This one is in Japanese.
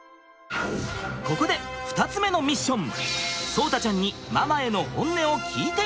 ここで２つ目のミッション！